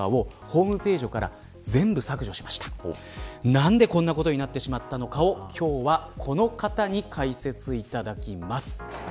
何でこんなことになってしまったのかを今日はこの方に解説いただきます。